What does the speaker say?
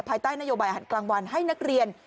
ภายใต้นโยบายหันกลางวันให้นักเรียน